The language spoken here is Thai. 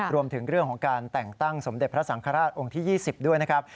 รวมถึงเรื่องของการแต่งตั้งสมเด็จพระสังฆราชองค์ที่๒๐ด้วยนะครับ